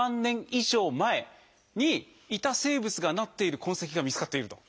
以上前にいた生物がなっている痕跡が見つかっていると。